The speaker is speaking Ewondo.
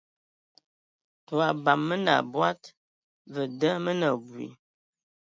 Tə o abam Mə nə abɔd, və da mə nə abui.